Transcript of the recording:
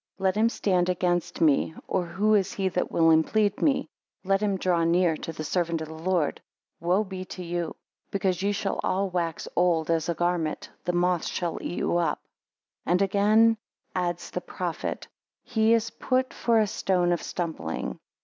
Let him stand against me or who is he that will implead me? Let him draw near to the servant of the Lord. Woe be to you! Because ye shall all wax old as a garment, the moth shall eat you up. 2 And again adds the prophet, He is put for a stone of stumbling.